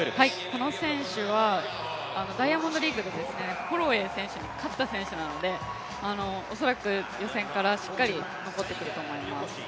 この選手はダイヤモンドリーグでホロウェイ選手に勝った選手なので、恐らく予選からしっかり残ってくると思います